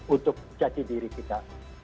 untuk jati diri kita